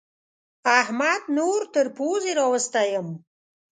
احمد نور تر پوزې راوستی يم.